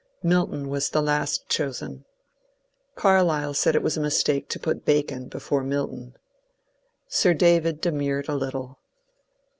Milton was the last chosen. Carlyle said it was a mistake to put Bacon before Milton. Sir David demurred a little.